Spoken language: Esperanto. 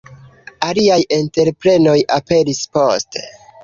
Aliaj entreprenoj aperis poste.